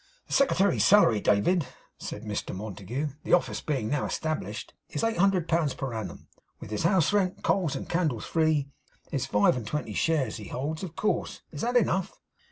'The secretary's salary, David,' said Mr Montague, 'the office being now established, is eight hundred pounds per annum, with his house rent, coals, and candles free. His five and twenty shares he holds, of course. Is that enough?